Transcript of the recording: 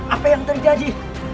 apa yang terjadi